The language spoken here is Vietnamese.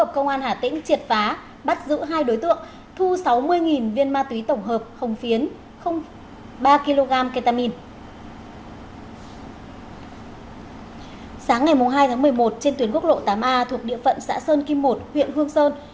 sáng ngày hai tháng một mươi một trên tuyến quốc lộ tám a thuộc địa phận xã sơn kim một huyện hương sơn